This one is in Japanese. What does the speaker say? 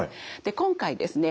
今回ですね